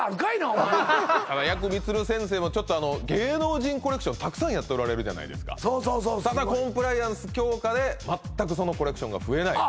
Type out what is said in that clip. お前やくみつる先生も芸能人コレクションたくさんやっておられるじゃないですかただコンプライアンス強化で全くそのコレクションが増えない